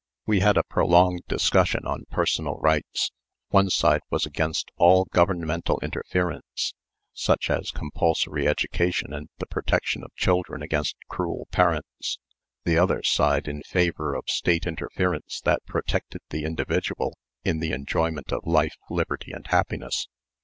We had a prolonged discussion on personal rights. One side was against all governmental interference, such as compulsory education and the protection of children against cruel parents; the other side in favor of state interference that protected the individual in the enjoyment of life, liberty, and happiness.